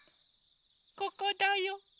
・ここだよ。